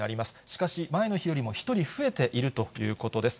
しかし、前の日よりも１人増えているということです。